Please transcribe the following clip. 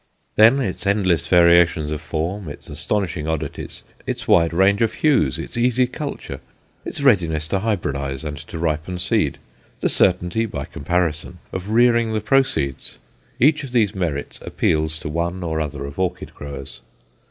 Then its endless variations of form, its astonishing oddities, its wide range of hues, its easy culture, its readiness to hybridize and to ripen seed, the certainty, by comparison, of rearing the proceeds, each of these merits appeals to one or other of orchid growers.